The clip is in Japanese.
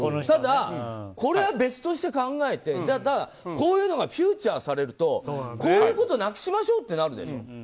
ただ、これは別として考えてこういうのがフィーチャーされるとこういうことなくしましょうってなるでしょ。